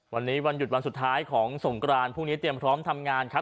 วันนี้วันหยุดวันสุดท้ายของสงกรานพรุ่งนี้เตรียมพร้อมทำงานครับ